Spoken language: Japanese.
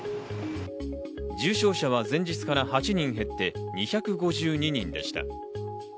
重症者は前日から８人減って２５２人でした。